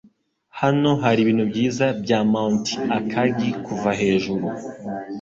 Hano haribintu byiza bya Mt. Akagi kuva hejuru.